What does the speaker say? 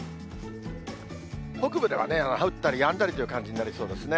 北部ではね、降ったりやんだりという感じになりそうですね。